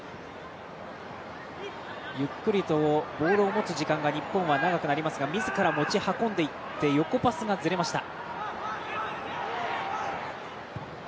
ゆっくりと、ボールを持つ時間が日本は長くなりますが自ら持ち運んでいって横パスがズレました。